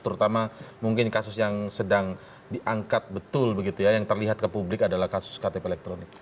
terutama mungkin kasus yang sedang diangkat betul begitu ya yang terlihat ke publik adalah kasus ktp elektronik